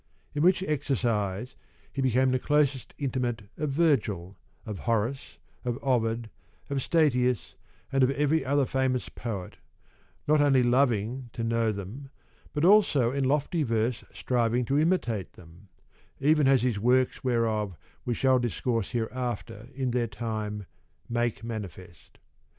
In which exercise he became the closest intimate of Virgil, of Horace, of Ovid, of Statius, and of every other famous poet, not only loving to know them, but also in lofty verse striving to imitate them ; even as his works, whereof we shall discourse hereafter in their time, make manifest.